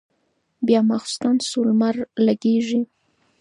بيا ماخستن شو لمر لګېږي